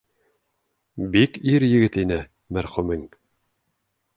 Бик ир-егет ине, мәрхүмең.